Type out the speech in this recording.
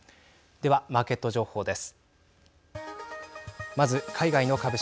では、マーケット情報です。